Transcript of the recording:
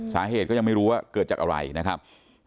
สาเหตุก็ยังไม่รู้ว่าเกิดจากอะไรนะครับ